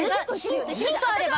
ヒントあれば。